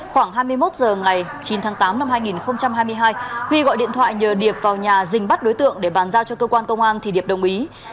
khoảng hai mươi một giờ ngày chín tháng tám năm hai nghìn hai mươi hai huy gọi điện thoại nhờ điệp vào nhà dình bắt đối tượng để bàn giao cho cơ quan công an thì điệp đồng ý